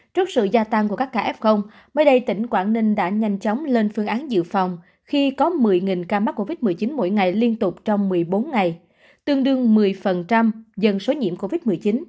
trước sự gia tăng của các ca f mới đây tỉnh quảng ninh đã nhanh chóng lên phương án dự phòng khi có một mươi ca mắc covid một mươi chín mỗi ngày liên tục trong một mươi bốn ngày tương đương một mươi dân số nhiễm covid một mươi chín